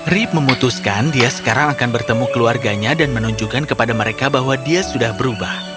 rip memutuskan dia sekarang akan bertemu keluarganya dan menunjukkan kepada mereka bahwa dia sudah berubah